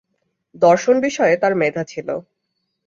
দর্শন বিষয়ে তার মেধা ছিল।